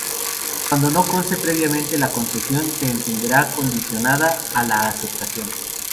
Cuando no conste previamente, la concesión se entenderá condicionada a la aceptación.